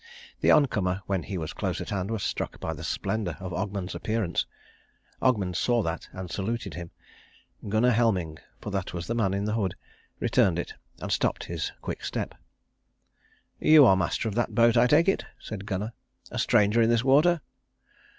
The oncomer when he was close at hand was struck by the splendour of Ogmund's appearance. Ogmund saw that and saluted him. Gunnar Helming, for that was the man in the hood, returned it, and stopped his quick step. "You are the master of that boat, I take it?" said Gunnar. "A stranger in this water?"